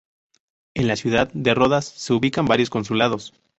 En la ciudad de Rodas se ubican varios consulados.